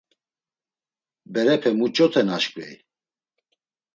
Berepe muç̌ote naşǩvey?